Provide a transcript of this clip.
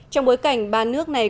trong bối cảnh ba nước này